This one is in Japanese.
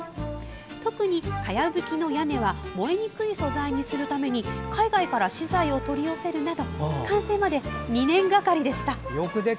特にかやぶきの屋根は燃えにくい素材にするために海外から資材を取り寄せるなど完成まで２年がかりでした。